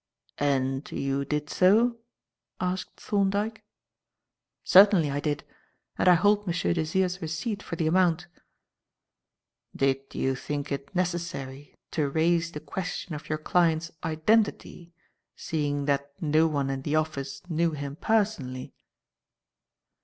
"And you did so?" asked Thorndyke. "Certainly I did. And I hold M. Desire's receipt for the amount." "Did you think it necessary to raise the question of your client's identity, seeing that no one in the office knew him personally?"